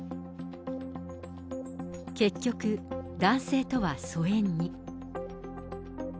結局、男性とは疎遠に。